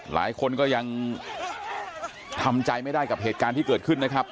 หลายคนก็ยังทำใจไม่ได้กับเหตุการณ์ที่เกิดขึ้นนะครับ